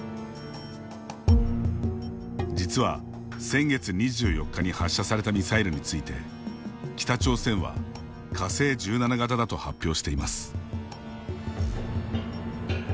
実は、先月２４日に発射されたミサイルについて、北朝鮮は火星１７型だと発表しています。